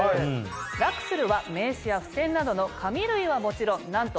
ラクスルは名刺や付箋などの紙類はもちろんなんと。